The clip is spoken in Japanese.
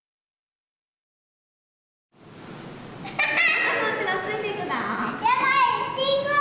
恵麻の後ろついていくぞ！